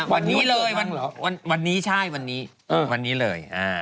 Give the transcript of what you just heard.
วันนี้เลยวันวันนี้ใช่วันนี้เออวันนี้เลยอ่า